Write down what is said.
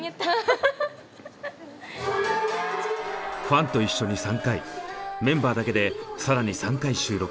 ファンと一緒に３回メンバーだけで更に３回収録。